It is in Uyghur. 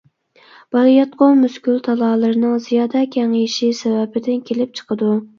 بالىياتقۇ مۇسكۇل تالالىرىنىڭ زىيادە كېڭىيىشى سەۋەبىدىن كېلىپ چىقىدۇ.